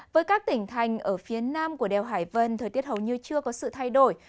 với các tỉnh thành ở phía nam của đèo hải vân thời tiết hầu như chưa có sự thay đổi